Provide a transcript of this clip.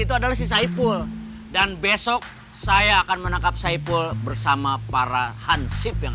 itu adalah si saipul dan besok saya akan menangkap saipul bersama para hansip yang